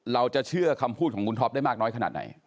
เราจะเชื่อคำพูดของคุณท็อปได้มากน้อยขนาดไหน